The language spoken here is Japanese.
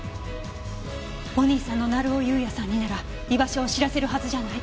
お兄さんの成尾優也さんになら居場所を知らせるはずじゃない？